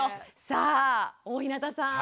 さあ大日向さん